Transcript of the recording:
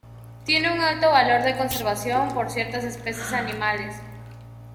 Tiene un alto valor de conservación por ciertas especies animales.